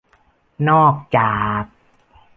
นอกจาก